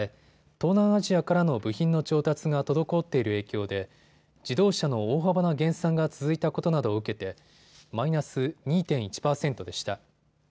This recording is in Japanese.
東南アジアからの部品の調達が滞っている影響で自動車の大幅な減産が続いたことなどを受けてマイナス２．１％でした。